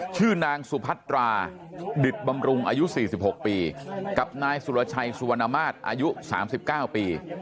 ชื่อนางสุพัตราดิตบำรุงอายุ๔๖ปีกับนายสุรชัยสุวรรณมาตรอายุ๓๙ปี